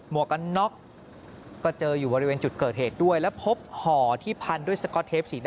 มันมีปืนมันมีปืน